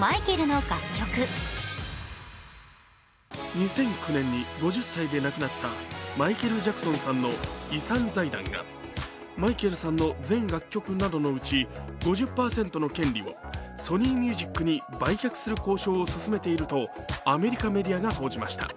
２００９年に５０歳で亡くなったマイケル・ジャクソンさんの遺産財団がマイケルさんの全楽曲などのうち５０％の権利をソニー・ミュージックに売却する交渉を進めているとアメリカメディアが報じました。